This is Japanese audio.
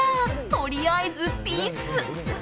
とりあえずピース。